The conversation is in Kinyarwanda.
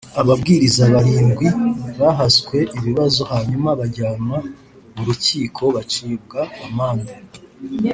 Ababwiriza barindwi bahaswe ibibazo hanyuma bajyanwa mu rukiko bacibwa amande